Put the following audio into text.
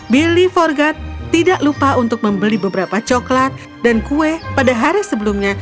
billy forgard tidak lupa untuk membeli beberapa coklat dan kue pada hari sebelumnya